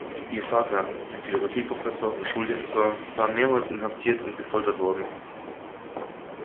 Ihr Vater, ein Philosophieprofessor und Schuldirektor, war mehrmals inhaftiert und gefoltert worden.